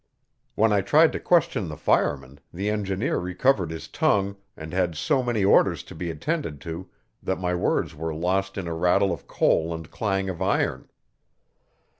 When I tried to question the fireman, the engineer recovered his tongue, and had so many orders to be attended to that my words were lost in a rattle of coal and clang of iron.